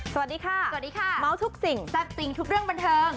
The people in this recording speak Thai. สวัสดีค่ะสวัสดีค่ะเมาส์ทุกสิ่งแซ่บจริงทุกเรื่องบันเทิง